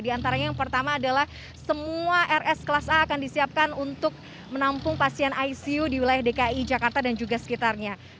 di antaranya yang pertama adalah semua rs kelas a akan disiapkan untuk menampung pasien icu di wilayah dki jakarta dan juga sekitarnya